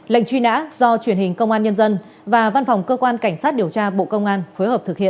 lệnh truy nã do truyền hình công an nhân dân và văn phòng cơ quan cảnh sát điều tra bộ công an phối hợp thực hiện